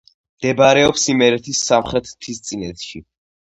მდებარეობს იმერეთის სამხრეთ მთისწინეთში.